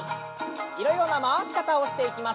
いろいろな回し方をしていきます。